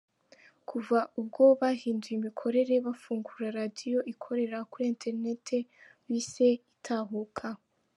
Kuva ubwo bahinduye imikorere bafungura radio ikorera kuri Internet bise Itahuka.